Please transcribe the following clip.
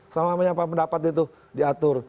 sama dengan penyampaian pendapat itu diatur